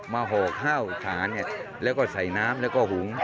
มาห่อข้าวสารเนี่ยแล้วก็ใส่น้ำแล้วก็หุ้ง